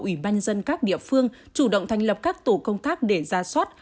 ủy ban nhân dân các địa phương chủ động thành lập các tổ công tác để ra soát